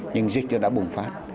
nhưng dịch nó đã bùng phát